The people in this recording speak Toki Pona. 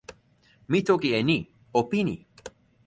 mi toki e ni: o pini.